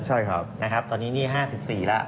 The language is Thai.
ใช่ครับตอนนี้นี่๕๔ละ